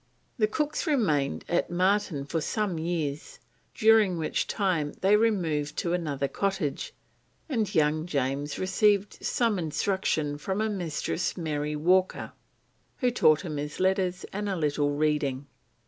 The Cooks remained at Marton for some years, during which time they removed to another cottage, and young James received some instruction from a Mistress Mary Walker, who taught him his letters and a little reading.